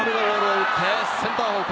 打ち返してセンター方向。